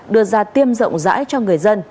đưa ra tiêm rộng rãi cho người dân